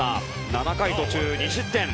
７回途中２失点。